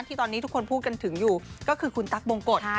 ที่ตอนนี้ทุกคนพูดกันถึงอยู่ก็คือคุณตั๊กบงกฎ